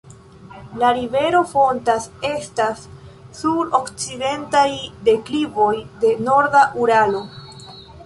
La rivero fontas estas sur okcidentaj deklivoj de Norda Uralo.